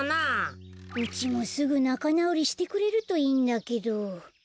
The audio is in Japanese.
うちもすぐなかなおりしてくれるといいんだけど。